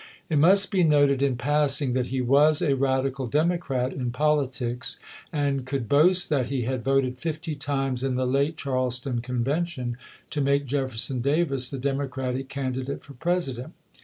It must be noted in passing that he was a radical Democrat in politics, and could boast that he had voted fifty times in the late Charleston Con vention to make Jefferson Davis the Democratic candidate for President.